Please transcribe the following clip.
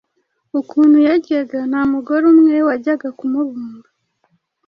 Ukuntu yaryaga, nta mugore umwe wajyaga kumubumba.